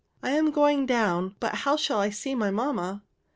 I am going down; but how shall I see my mamma?